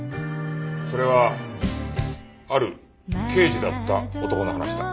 それはある刑事だった男の話だ。